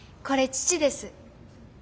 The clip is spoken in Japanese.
これ父です。